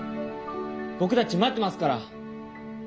僕たち待ってますから。